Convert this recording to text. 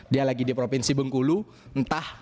dia lagi di provinsi bengkulu entah